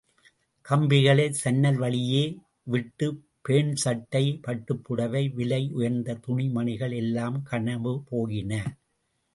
கம்பிகளை சன்னல் வழியே விட்டு பேன்ட், சட்டை, பட்டுப்புடைவை விலை உயர்ந்த துணிமணிகள் எல்லாம் கனவு போயின.